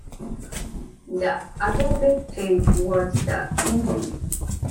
The other big change was the engine.